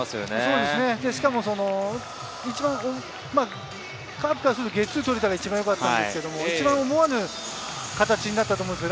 しかも、カープからするとゲッツー取れたら一番よかったですけれど、思わぬ形になったと思うんですね。